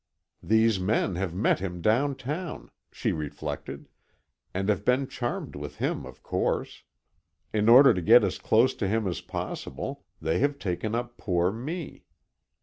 "These men have met him down town," she reflected, "and have been charmed with him, of course. In order to get as close to him as possible, they have taken up poor me.